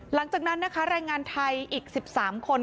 หลังจากนั้นนะคะรายงานไทยอีก๑๓คนก็นั่งรถบัสเข้ามาค่ะ